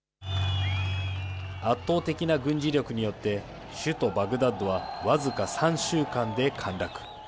圧倒的な軍事力によって、首都バグダッドは僅か３週間で陥落。